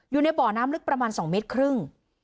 อยู่ในบ่อน้ำลึกประมาณ๒เมตรครึ่ง